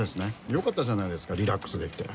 よかったじゃないですかリラックスできて。